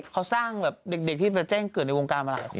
เขาสร้างอย่างเด็ก